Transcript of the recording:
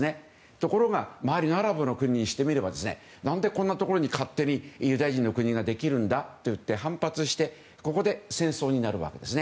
ところが周りのアラブの国にしてみれば何でこんなところに勝手にユダヤ人の国ができるんだと言って反発してここで戦争になるわけです。